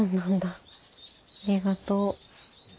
ありがとう。